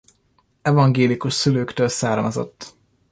Evangélikus szülőktől származott.